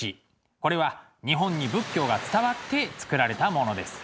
これは日本に仏教が伝わって作られたものです。